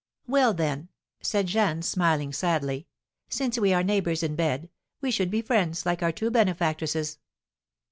"Well, then," said Jeanne, smiling sadly, "since we are neighbours in bed, we should be friends like our two benefactresses."